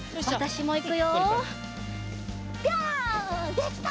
できた！